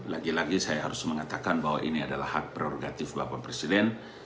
lagi lagi saya harus mengatakan bahwa ini adalah hak prerogatif bapak presiden